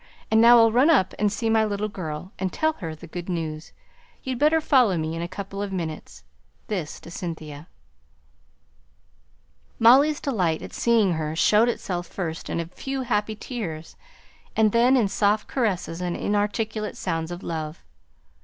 And now I'll run up and see my little girl, and tell her the good news. You'd better follow me in a couple of minutes." This to Cynthia. Molly's delight at seeing her showed itself first in a few happy tears; and then in soft caresses and inarticulate sounds of love.